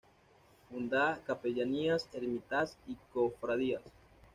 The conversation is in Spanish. Funda capellanías, ermitas y cofradías.